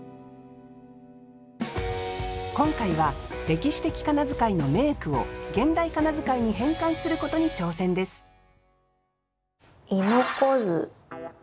今回は歴史的仮名遣いの名句を現代仮名遣いに変換することに挑戦です「ゐのこづ」。